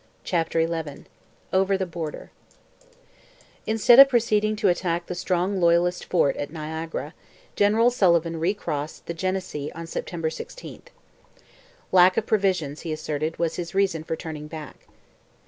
CHAPTER XI OVER THE BORDER Instead of proceeding to attack the strong loyalist fort at Niagara, General Sullivan re crossed the Genesee on September 16. Lack of provisions, he asserted, was his reason for turning back.